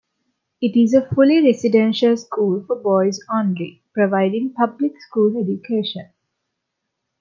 It is a fully residential school for boys only, providing public school education.